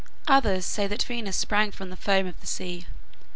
Others say that Venus sprang from the foam of the sea.